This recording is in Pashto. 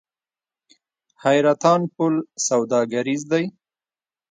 حیرتان پل سوداګریز دی؟